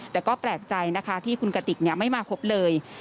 แต่ก็แปลกใจนะคะที่คุณกติกไม่มาพบเลย